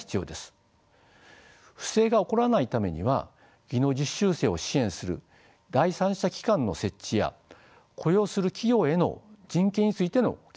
不正が起こらないためには技能実習生を支援する第三者機関の設置や雇用する企業への人権についての研修も必要でしょう。